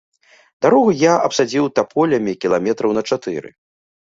Дарогу я абсадзіў таполямі кіламетраў на чатыры.